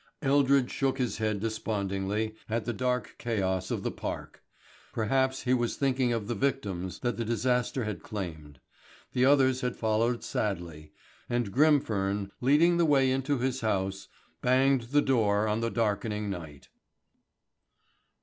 Eldred shook his head despondingly at the dark chaos of the park. Perhaps he was thinking of the victims that the disaster had claimed. The others had followed sadly, and Grimfern, leading the way into his house, banged the door on the darkening night.